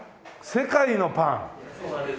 世界のパンを。